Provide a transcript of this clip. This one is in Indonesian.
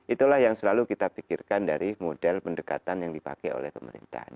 itulah yang selalu kita pikirkan dari model pendekatan yang dipakai oleh pemerintahan